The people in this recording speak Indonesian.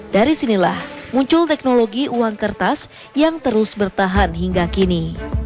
dari sinilah muncul teknologi uang kertas yang terus bertahan hingga kini